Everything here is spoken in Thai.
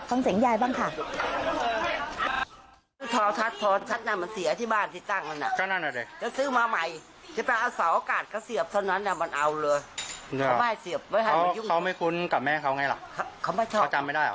ฟังเสียงยายบ้างค่ะ